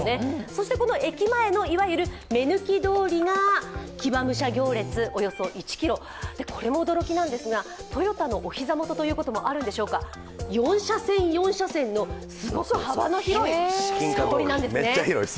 そしてこの駅前のいわゆる目抜き通りが騎馬武者行列、およそ１ｋｍ、これも驚きなんですが、トヨタのお膝元ということもあるんでしょうか、４車線、４車線というすごく広い道路なんですね。